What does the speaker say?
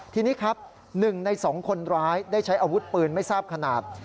ทีนี้ครับ๑ใน๒คนร้ายได้ใช้อาวุธปืนไม่ทราบขนาด